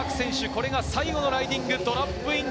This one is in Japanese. これが最後のライディング、ドロップイン。